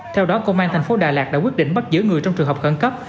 theo đó công an tp hcm đã quyết định bắt giữa người trong trường hợp khẩn cấp